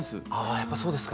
やっぱそうですか。